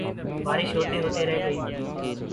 بارش ہوتے ہوتے رہ گئی